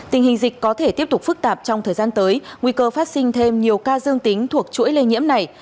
tình hình dịch có thể tiếp tục phức tạp trong thời gian tới nguy cơ phát sinh thêm nhiều ca dương tính thuộc chuỗi lây nhiễm này